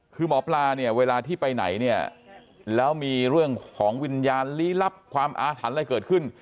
คือหมอปลาเนี่ยเวลาที่ไปไหนเนี่ยแล้วมีเรื่องของวิญญาณลี้ลับความอาถรรพ์อะไรเกิดขึ้น